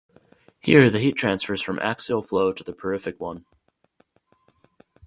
Here the heat transfers from axial flow to the peripheric one.